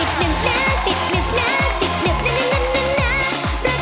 หลุดหลุดหลุดหลุด